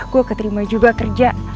gue keterima juga kerja